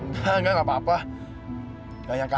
kayanya kalo dia keliatan tekstur tekstur